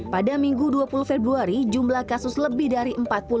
pada minggu dua puluh februari jumlah kasus lebih dari empat puluh lima